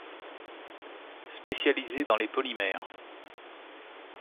Spécialisé dans les polymères.